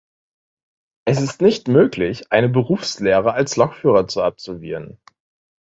Es ist nicht möglich, eine Berufslehre als Lokführer zu absolvieren.